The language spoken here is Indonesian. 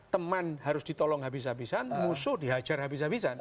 teman harus ditolong habis habisan musuh dihajar habis habisan